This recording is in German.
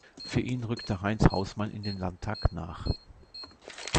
Für ihn rückte Heinz Hausmann in den Landtag nach.